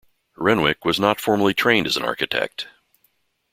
Renwick was not formally trained as an architect.